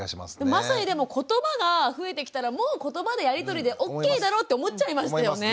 まさにでも言葉が増えてきたらもう言葉でやり取りでオッケーだろうって思っちゃいましたよね。